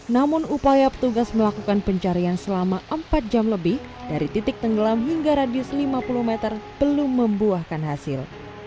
namun upaya petugas melakukan pencarian selama empat jam lebih dari titik tenggelam hingga radius lima puluh meter belum membuahkan hasil